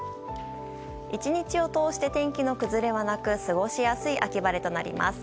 １日を通して天気の崩れはなく過ごしやすい秋晴れとなります。